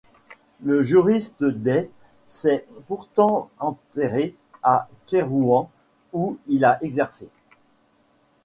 Ce juriste des - s est pourtant enterré à Kairouan où il a exercé.